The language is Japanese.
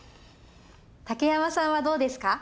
竹山さんはどうですか？